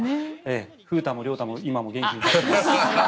風太も亮太も今も元気に暮らしています。